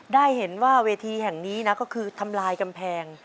ได้เห็นว่าเวทีแห่งนี้นะก็คือทำลายกำแพง